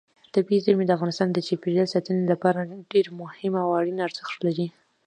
طبیعي زیرمې د افغانستان د چاپیریال ساتنې لپاره ډېر مهم او اړین ارزښت لري.